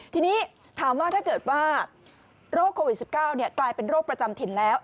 ทีนี้ถามว่าถ้าเกิดว่าโรคโควิด๑๙กลายเป็นโรคประจำถิ่นแล้ว